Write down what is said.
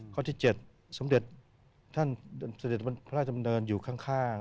ข้อที่๗สำเด็จพระราชสำเนินอยู่ข้าง